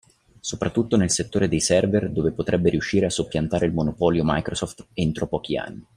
Soprattutto nel settore dei server, dove potrebbe riuscire a soppiantare il monopolio Microsoft entro pochi anni.